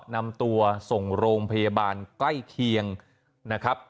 นำตัวส่งโรงพยาบาลใกล้เคียงนะครับ